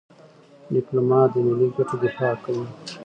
ډيپلومات د ملي ګټو دفاع کوي.